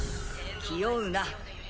気負うな。